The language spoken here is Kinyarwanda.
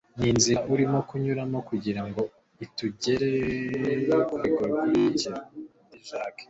Ni inzira urimo kunyuramo kugira ngo ikugere ku rwego rukurikira. ”- T.D. Jakes